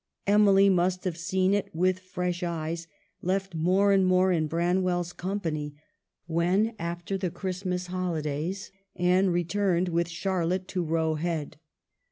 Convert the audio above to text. Emily must have seen it with fresh eyes, left more and more in Branwell's company, when, after the Christmas holidays, Anne re turned with Charlotte to Roe Head.